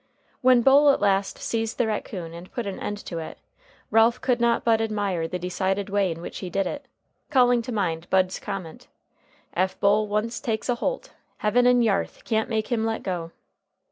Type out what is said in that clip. When Bull at last seized the raccoon and put an end to it, Ralph could not but admire the decided way in which he did it, calling to mind Bud's comment, "Ef Bull once takes a holt, heaven and yarth can't make him let go."